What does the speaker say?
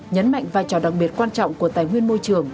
nhấn mạnh vai trò đặc biệt quan trọng của tài nguyên môi trường